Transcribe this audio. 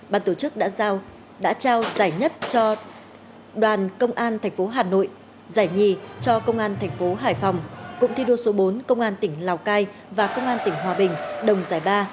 ban tổ chức đã trao giải nhất cho đoàn công an tp hà nội giải nhì cho công an thành phố hải phòng cụm thi đua số bốn công an tỉnh lào cai và công an tỉnh hòa bình đồng giải ba